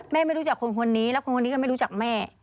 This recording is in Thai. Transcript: ไม่รู้จักคนคนนี้แล้วคนคนนี้ก็ไม่รู้จักแม่